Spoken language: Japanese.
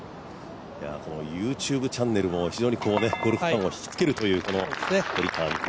ＹｏｕＴｕｂｅチャンネルもゴルフファンを引きつけるという堀川未来